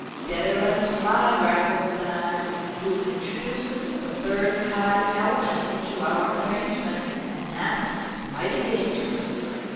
"Better let him slide, Raffles," said I. "He introduces the third party element into our arrangement, and that's mighty dangerous."